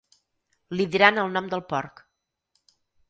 Li diran el nom del porc.